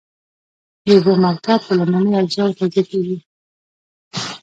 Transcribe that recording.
د اوبو مرکب په لومړنیو اجزاوو تجزیه کیږي.